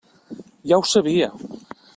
Ja ho sabia.